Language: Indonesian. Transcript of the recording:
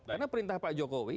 karena perintah pak jokowi